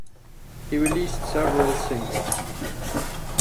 He released several singles.